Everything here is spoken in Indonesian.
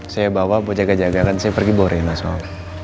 saya bawa buat jaga jaga kan saya pergi boring lah soal